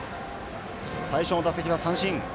最初の打席は三振。